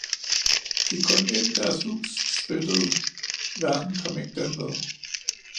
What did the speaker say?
de krøb ind i deres hus, spyttede, – verden kom ikke dem ved.